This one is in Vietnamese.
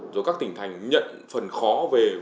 rồi các tỉnh thành nhận phần khó về